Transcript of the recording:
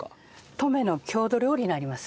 登米の郷土料理になります。